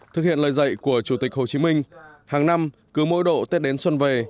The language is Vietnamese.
thực hiện lời dạy của chủ tịch hồ chí minh hàng năm cứ mỗi độ tết đến xuân về